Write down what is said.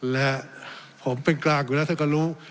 และผมเป็นกลางอยู่แล้วท่านก็รู้